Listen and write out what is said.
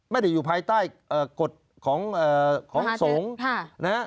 ไม่ได้อยู่ภายใต้กฎของสงฆ์